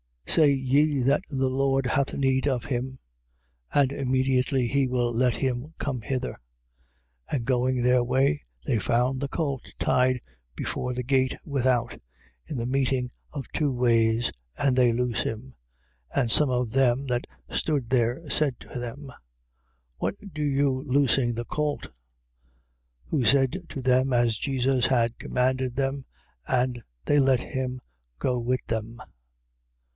Say ye that the Lord hath need of him. And immediately he will let him come hither. 11:4. And going their way, they found the colt tied before the gate without, in the meeting of two ways. And they loose him. 11:5. And some of them that stood there said to them: What do you loosing the colt? 11:6. Who said to them as Jesus had commanded them. And they let him go with them.